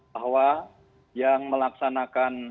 bahwa yang melaksanakan